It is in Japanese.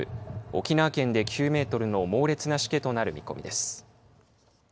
沖縄県で９メートルの猛烈なしけとなる見込みです。